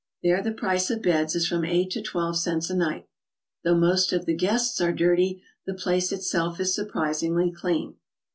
There the price of beds is from 8 to 12 cents a night. Though most of the guests are dirty, the place itself is surprisingly clean.